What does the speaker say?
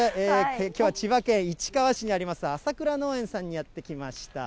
きょうは千葉県市川市にあります、朝倉農園さんにやって来ました。